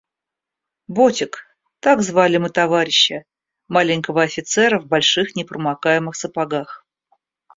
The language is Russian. «Ботик» — так звали мы товарища, маленького офицера в больших непромокаемых сапогах.